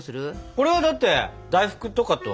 これはだって大福とかと。